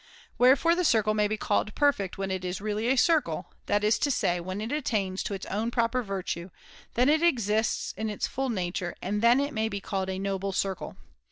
Wherefore the circle may be called perfect when it is really a circle ;' that is to say, when it attains to its own proper virtue, then it exists in its full nature, and then it may be called a noble circle.